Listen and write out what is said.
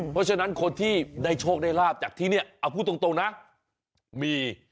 เพราะฉะนั้นคนที่ได้โชคได้ลาบจากที่เนี่ยเอาพูดตรงนะมี